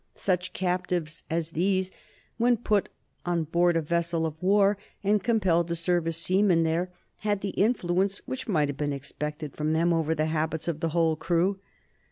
Such captives as these, when put on board a vessel of war and compelled to serve as seamen there, had the influence which might have been expected from them over the habits of the whole crew.